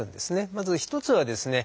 まず一つはですね